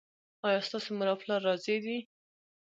ایا ستاسو مور او پلار راضي دي؟